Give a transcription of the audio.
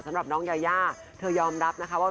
สำหรับน้องยายาเธอยอมรับนะคะว่า